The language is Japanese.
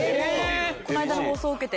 この間の放送を受けて？